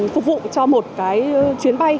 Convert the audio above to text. phục vụ cho một cái chuyến bay